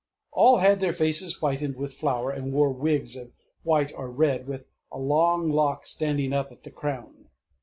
All had their faces whitened with flour, and wore wigs of white or red with a long lock standing up at the crown....